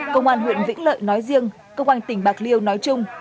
công an huyện vĩnh lợi nói riêng công an tỉnh bạc liêu nói chung